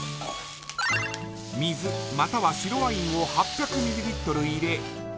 水または白ワインを８００ミリリットル入れ